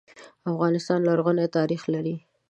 افغانستان لرغونی ناریخ لري.